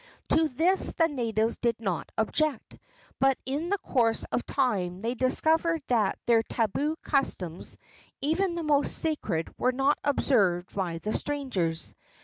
To this the natives did not object; but in the course of time they discovered that their tabu customs, even the most sacred, were not observed by the strangers.